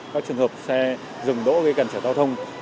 các trường hợp xe dừng đỗ gây gần trở giao thông